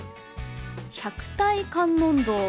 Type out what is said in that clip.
百体観音堂。